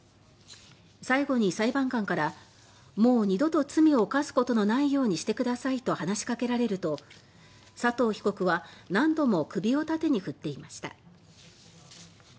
最後に裁判官から、もう２度と罪を犯すことのないようにしてくださいと話しかけられると佐藤被告は何度も首を縦に振っていました。